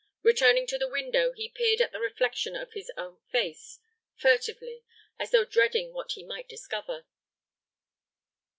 Returning to the window, he peered at the reflection of his own face, furtively, as though dreading what he might discover.